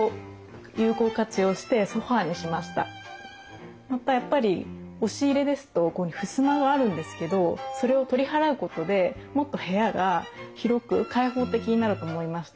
実はこちらもやっぱり押し入れですとこういうふうにふすまがあるんですけどそれを取り払うことでもっと部屋が広く開放的になると思いました。